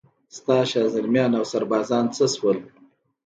ستا شازلمیان اوسربازان څه شول؟